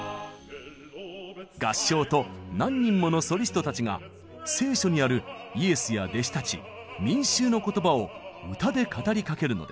合唱と何人ものソリストたちが聖書にあるイエスや弟子たち民衆の言葉を歌で語りかけるのです。